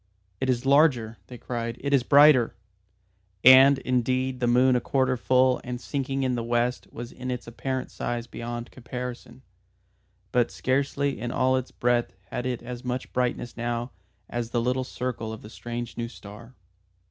"It is larger," they cried. "It is brighter!" And, indeed the moon a quarter full and sinking in the west was in its apparent size beyond comparison, but scarcely in all its breadth had it as much brightness now as the little circle of the strange new star.